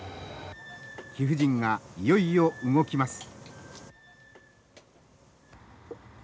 貴婦人がいよいよ動きます。